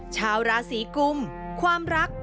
ชาวราศีกุมความรัก